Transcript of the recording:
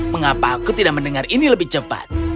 mengapa aku tidak mendengar ini lebih cepat